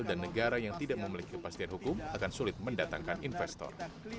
dan negara yang tidak memiliki kepastian hukum akan sulit mendatangkan investor